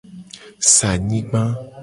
Sa anyigba.